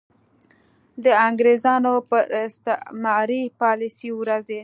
د انګرېزانو پر استعماري پالیسۍ ورځي.